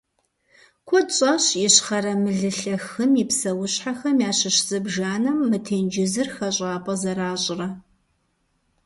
Куэд щӀащ Ищхъэрэ Мылылъэ хым и псэущхьэхэм ящыщ зыбжанэм мы тенджызыр хэщӀапӀэ зэращӀрэ.